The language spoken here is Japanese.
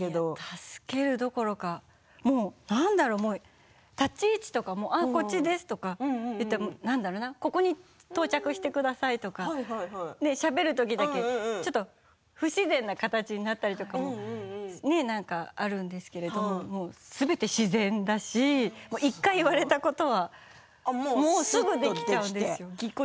助けるどころかなんだろう、立ち位置とかもこっちですとかここに到着してくださいとかしゃべる時だけ不自然な形でなったりもあるんですけれど、すべて自然だし１回言われたことはすぐできちゃうんです。